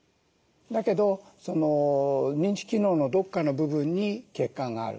だけど認知機能のどっかの部分に欠陥がある。